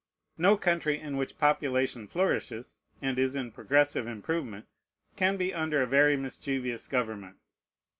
No country in which population flourishes, and is in progressive improvement, can be under a very mischievous government.